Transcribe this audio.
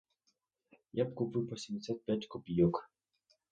Я б купив по сімдесят п'ять копійок!